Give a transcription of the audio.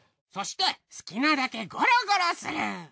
そして好きなだけゴロゴロする。